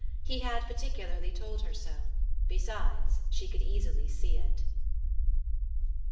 He had particularly told her so. Besides she could easily see it.